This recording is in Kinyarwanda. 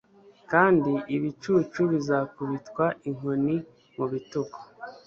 kandi ibicucu bizakubitwa inkoni mu bitugu